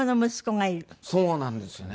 そうなんですよね。